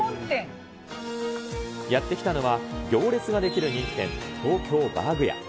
やって来たのは、行列が出来る人気店、東京バーグ屋。